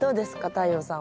太陽さんは。